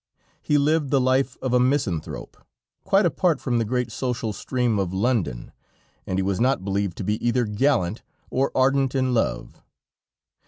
He lived the life of a misanthrope, quite apart from the great social stream of London, and he was not believed to be either gallant, or ardent in love.